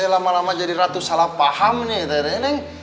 lama lama jadi ratu salahpaham nih tere neng